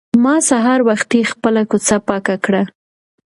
ما سهار وختي خپله کوڅه پاکه کړه.